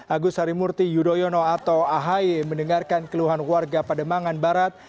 agus harimurti yudhoyono atau ahai mendengarkan keluhan warga pada mangan barat